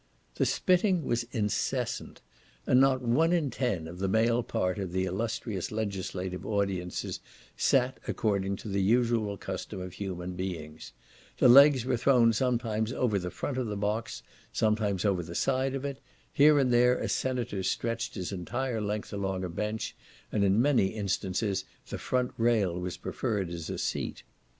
The spitting was incessant; and not one in ten of the male part of the illustrious legislative audiences sat according to the usual custom of human beings; the legs were thrown sometimes over the front of the box, sometimes over the side of it; here and there a senator stretched his entire length along a bench, and in many instances the front rail was preferred as a seat.